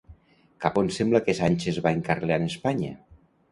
Cap on sembla que Sánchez va encarrilant Espanya?